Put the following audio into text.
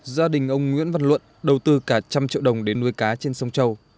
gia đình ông nguyễn văn luận đầu tư cả trăm triệu đồng để nuôi cá trên sông châu